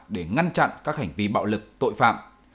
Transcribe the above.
để ngăn chặn các hành vi bạo lực tội phạm